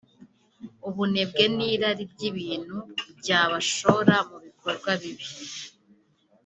ubunebwe n’irari ry’ibintu ryabashora mu bikorwa bibi